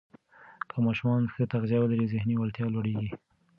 که ماشومان ښه تغذیه ولري، ذهني وړتیا لوړېږي.